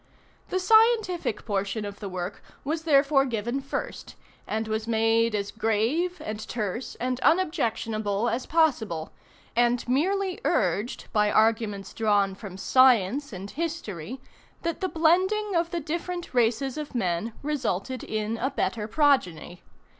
The scientific portion of the work was therefore given first, and was made as grave and terse and unobjectionable as possible; and merely urged, by arguments drawn from science and history, that the blending of the different races of men resulted in a better progeny.